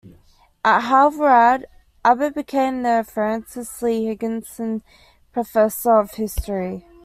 At Harvarard Abbott became the Francis Lee Higginson Professor of History.